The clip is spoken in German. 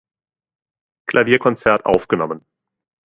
Klavierkonzert aufgenommen.